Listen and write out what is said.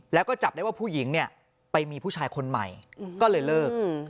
แล้วก็จับได้ว่าผู้หญิงเนี่ยไปมีผู้ชายคนใหม่ก็เลยเลิก